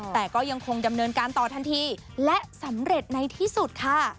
แต่ก็ยังคงดำเนินการต่อทันทีและสำเร็จในที่สุดค่ะ